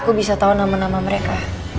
aku bisa tahu nama nama mereka